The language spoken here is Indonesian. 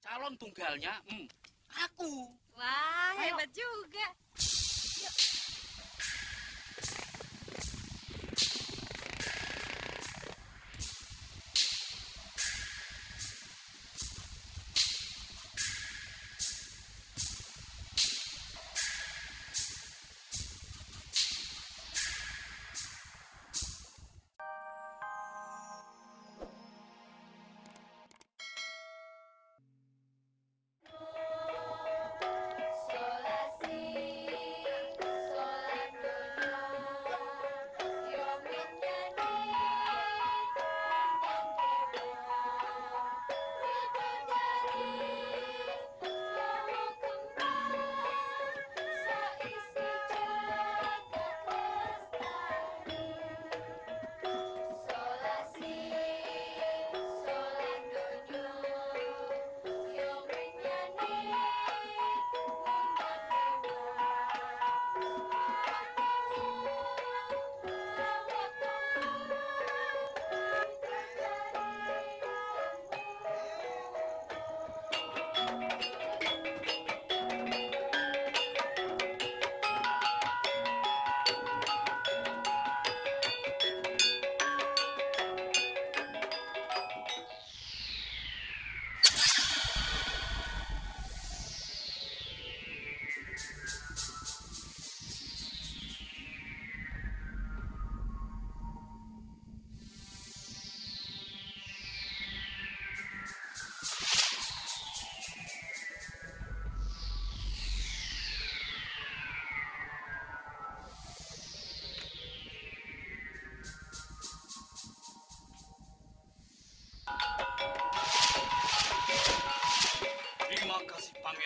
calon tunggalnya aku wah hebat juga